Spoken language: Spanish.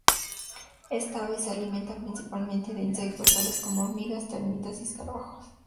Esta ave se alimenta principalmente de insectos, tales como hormigas, termitas y escarabajos.